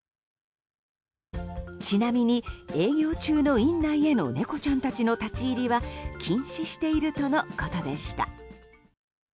ちなみに、営業中の院内への猫ちゃんたちの立ち入りは禁止しているとのことでした。